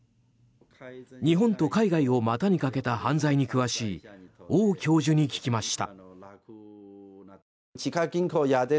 日本と海外を股にかけた犯罪に詳しい王教授に聞きました。